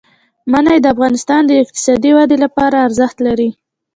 منی د افغانستان د اقتصادي ودې لپاره ارزښت لري.